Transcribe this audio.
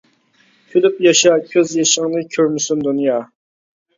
كۈلۈپ ياشا، كۆز يېشىڭنى كۆرمىسۇن دۇنيا.